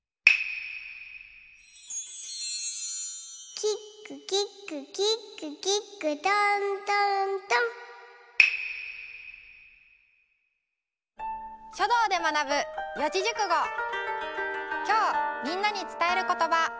「キックキックキックキック」きょうみんなにつたえることば。